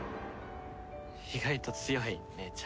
意外と強い姉ちゃん。